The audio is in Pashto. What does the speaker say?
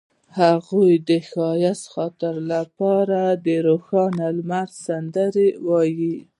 هغې د ښایسته خاطرو لپاره د روښانه لمر سندره ویله.